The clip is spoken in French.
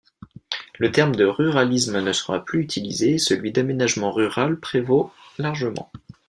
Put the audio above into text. Le terme de ruralisme ne sera plus utilisé, et celui d'aménagement rural prévaut largement.